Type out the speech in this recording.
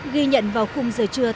ghi nhận vào khung giờ trưa tại hà nội